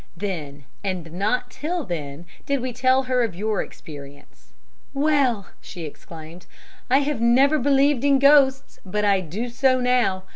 Then, and not till then, did we tell her of your experience. 'Well!' she exclaimed, 'I have never believed in ghosts, but I do so now.